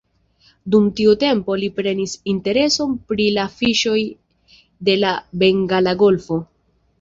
Dum tiu tempo li prenis intereson pri la fiŝoj de la Bengala Golfo.